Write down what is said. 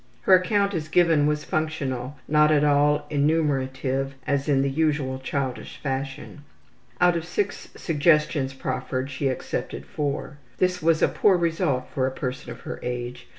Her account as given was functional, not at all enumerative as in the usual childish fashion. Out of 6 suggestions proffered she accepted 4. This was a poor result for a person of her age.